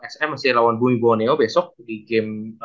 sm masih lawan bumi buwoneo besok di game